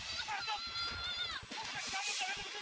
kamu nangis tapi garam gua di simpan